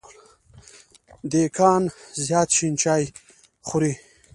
دیکان زیات شين چای څوروي.